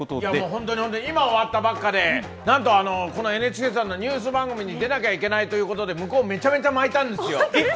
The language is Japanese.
本当に本当に今終わったばっかで、なんかこのＮＨＫさんのニュース番組に出なきゃいけないということで、向こう、めちゃめち本当ですか？